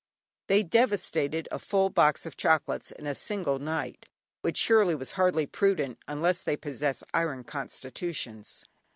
They devastated a full box of chocolates in a single night, which surely was hardly prudent, unless they possess iron constitutions.